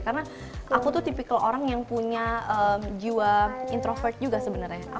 karena aku tuh tipikal orang yang punya jiwa introvert juga sebenernya